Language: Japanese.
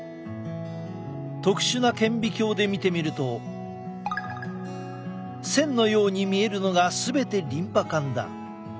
特殊な顕微鏡で見てみると線のように見えるのが全てリンパ管だ。